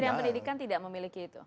kementerian pendidikan tidak memiliki itu